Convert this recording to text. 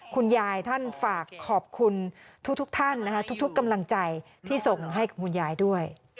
คุณยายท่านฝากขอบคุณทุกท่านนะคะทุกกำลังใจที่ส่งให้กับคุณยายด้วย